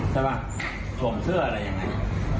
ใช่ป่ะสวมเสื้ออันไหน